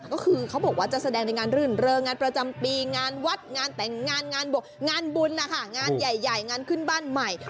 ก็คือเขาบอกว่าจะแสดงในงานรื่นเริงงานประจำปีงานวัดงานแต่งงานงานบุญนะคะงานใหญ่งานขึ้นบ้านใหม่